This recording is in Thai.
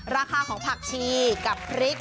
ราคาของผักชีกับพริก